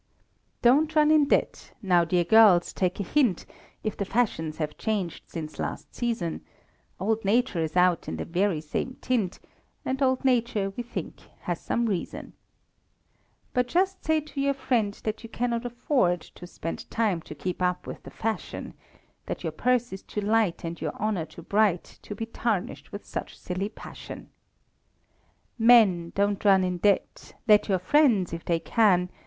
Don't run in debt now, dear girls, take a hint, if the fashions have changed since last season, Old Nature is out in the very same tint, And old Nature, we think, has some reason; But just say to your friend, that you cannot afford To spend time to keep up with the fashion; That your purse is too light and your honour too bright, To be tarnished with such silly passion. Men, don't run in debt let your friends, if they can.